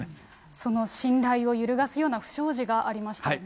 その信頼を揺るがすような不祥事がありましたよね。